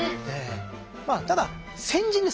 まあただ戦陣です。